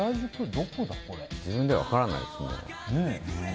自分では分からないですね。